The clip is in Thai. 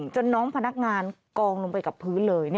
น้องพนักงานกองลงไปกับพื้นเลย